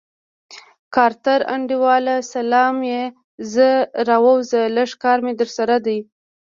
کارتره انډيواله سلام يره راووځه لږ کار مې درسره دی.